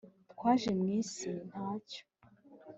twaje mwisi ntacyo